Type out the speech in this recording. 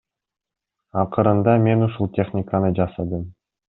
Акырында мын ушул техниканы жасадым.